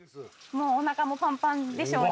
おなかもパンパンでしょう。